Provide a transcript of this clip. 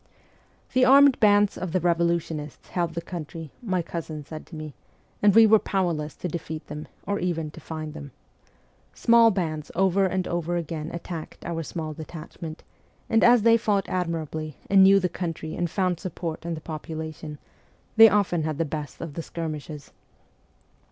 ' The armed bands of the revolutionists held the country,' my cousin said to me, ' and we were power less to defeat them, or even to find them. Small bands over and over again attacked our small detach ments, and as they fought admirably, and knew the country and found support in the population, they often had the best of the skirmishes.